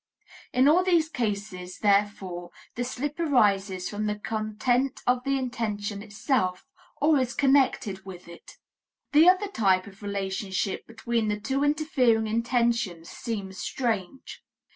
In all these cases, therefore, the slip arises from the content of the intention itself, or is connected with it. The other type of relationship between the two interfering intentions seems strange.